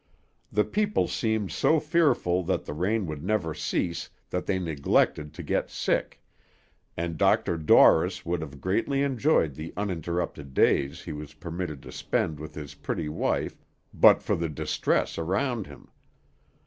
The people seemed so fearful that the rain would never cease that they neglected to get sick, and Dr. Dorris would have greatly enjoyed the uninterrupted days he was permitted to spend with his pretty wife but for the distress around him.